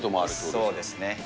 そうですね。